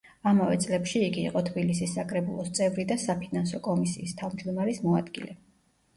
ამავე წლებში იგი იყო თბილისის საკრებულოს წევრი და საფინანსო კომისიის თავჯდომარის მოადგილე.